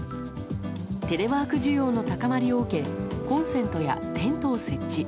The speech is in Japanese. テレワーク需要の高まりを受けコンセントやテントを設置。